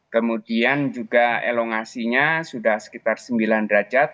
kemudian juga elongasinya sudah sekitar sembilan derajat